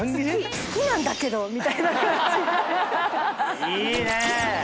好きなんだけどみたいな感じで。